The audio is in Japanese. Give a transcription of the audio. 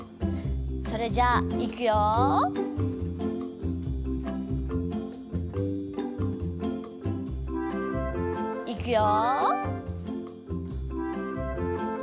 それじゃあいくよ。いくよ。